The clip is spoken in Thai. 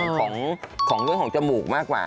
แต่ก็คงจะเป็นเรื่องของจมูกมากกว่า